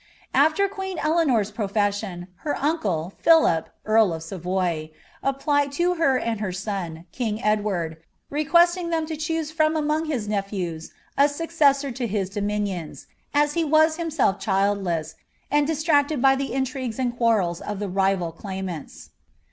After queen Eleanor's profession, her uncle, Philip, earl of Savoy, )plied to her and her son, king Edward, requesting them to choose om among his nephews a successor to his dominions, as he was him ilf childless, and distracted by the intrigues and quarrels of tlie rival iimants.'